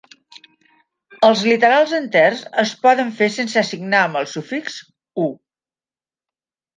Els literals enters es poden fer sense signar amb el sufix U.